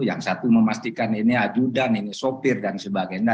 yang satu memastikan ini ajudan ini sopir dan sebagainya